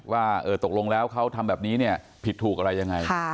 ว่าตกลงแล้วเขาทำแบบนี้เนี่ยผิดถูกอะไรยังไง